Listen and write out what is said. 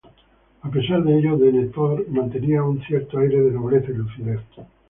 A pesar de ello Denethor mantenía un cierto aire de nobleza y lucidez.